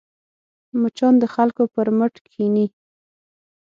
مچان د خلکو پر مټ کښېني